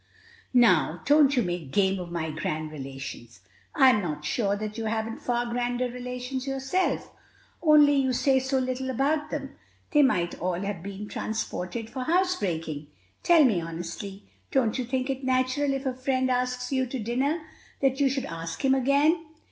"Now, don't you make game of my grand relations. I'm not sure that you haven't far grander relations yourself, only you say so little about them, they might all have been transported for housebreaking. Tell me honestly, don't you think it natural, if a friend asks you to dinner, that you should ask him again?"